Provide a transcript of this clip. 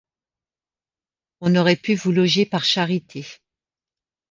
On aurait pu vous loger par charité.